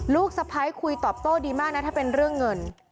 สะพ้ายคุยตอบโต้ดีมากนะถ้าเป็นเรื่องเงิน